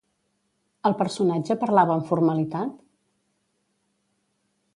El personatge parlava amb formalitat?